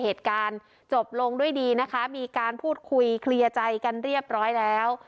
เหตุการณ์จบลงด้วยดีนะคะมีการพูดคุยเคลียร์ใจกันเรียบร้อยแล้ว